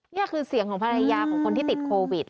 นี่คือเสียงของภรรยาของคนที่ติดโควิด